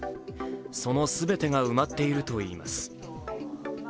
その全てが埋まっているといいます。